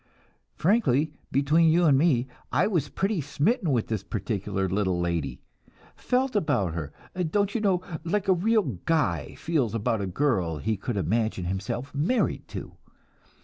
"Frankly, between you and me, I was pretty smitten with this particular little lady. Felt about her, don't you know, like a real guy feels about the girl he could imagine himself married to.